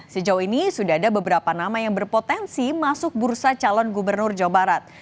sejauh ini sudah ada beberapa nama yang berpotensi masuk bursa calon gubernur jawa barat